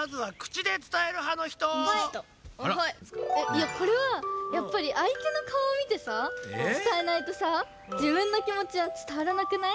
いやこれはやっぱりあいてのかおをみてさ伝えないとさじぶんのきもちは伝わらなくない？